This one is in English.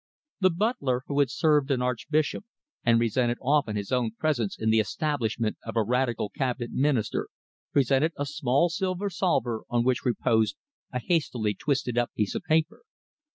The butler, who had served an archbishop, and resented often his own presence in the establishment of a Radical Cabinet Minister, presented a small silver salver on which reposed a hastily twisted up piece of paper.